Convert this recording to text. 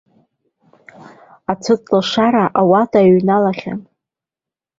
Ацәыҵлашара ауада иҩналахьан.